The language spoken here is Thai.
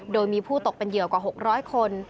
โดยมีผู้ตกเป็นเหยื่อกว่า๖๐๐คน